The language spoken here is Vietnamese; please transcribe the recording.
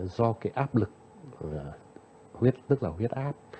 do cái áp lực huyết áp